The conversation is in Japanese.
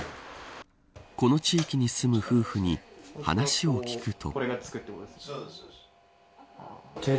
この地域に住む夫婦に話を聞くと。